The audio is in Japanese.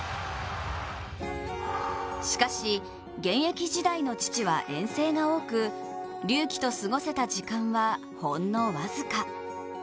しかし、現役時代の父は遠征が多く、隆輝と過ごせた時間は、ほんの僅か。